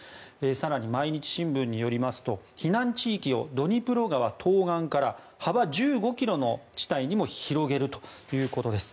更に毎日新聞によりますと避難地域をドニプロ川東岸から幅１５ｋｍの地帯にも広げるということです。